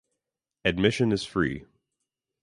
Admission is free.